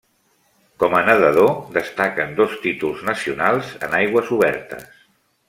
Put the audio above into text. Com a nedador destaquen dos títols nacionals en aigües obertes.